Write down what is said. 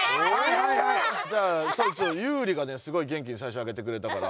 じゃあユウリがねすごい元気に最初あげてくれたから。